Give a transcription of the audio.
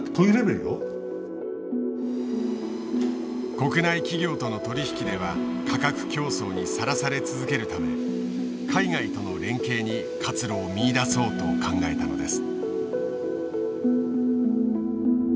国内企業との取り引きでは価格競争にさらされ続けるため海外との連携に活路を見いだそうと考えたのです。